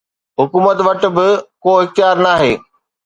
حڪومت وٽ به ڪو اختيار ناهي.